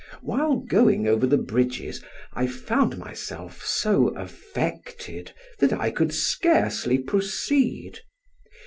While going over the bridges, I found myself so affected that I could scarcely proceed.